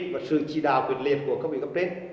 và sự chỉ đạo quyền liệt của các vị cấp tên